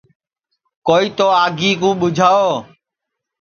کوئی تو آگی کُو ٻُوجھاؤ